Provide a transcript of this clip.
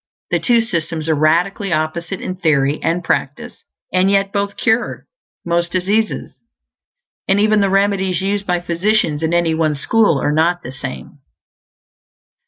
The two systems are radically opposite in theory and practice; and yet both "cure" most diseases. And even the remedies used by physicians in any one school are not the same.